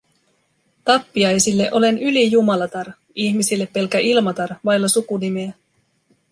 Tappiaisille olen ylijumalatar - ihmisille pelkkä Ilmatar, vailla sukunimeä.